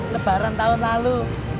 lebaran tahun lalu